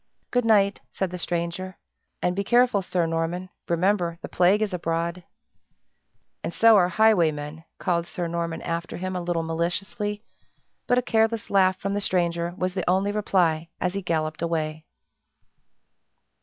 "Good night," said the stranger, "and be careful, Sir Norman remember, the plague is abroad." "And so are highwaymen!" called Sir Norman after him, a little maliciously; but a careless laugh from the stranger was the only reply as he galloped away.